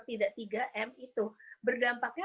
tidak tiga m itu berdampaknya